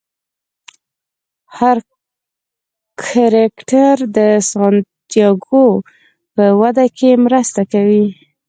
هر کرکټر د سانتیاګو په وده کې مرسته کوي.